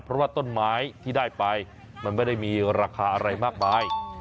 เพราะว่าต้นไม้ที่ได้ไปมันไม่ได้มีราคาอะไรมากมาย